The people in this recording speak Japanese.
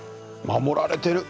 守られてる。